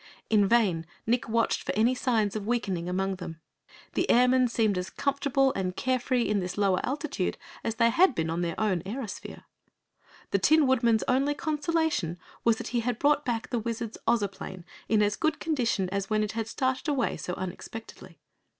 In vain Nick watched for any signs of weakening among them. The Airmen seemed as comfortable and carefree in this lower altitude as they had been on their own airosphere. The Tin Woodman's only consolation was that he had brought back the Wizard's Ozoplane in as good condition as when it had started away so unexpectedly.